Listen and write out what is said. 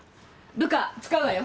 部下使うわよ。